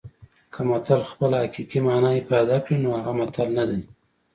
که متل خپله حقیقي مانا افاده کړي نو هغه متل نه دی